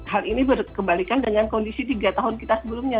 hal ini berkebalikan dengan kondisi tiga tahun kita sebelumnya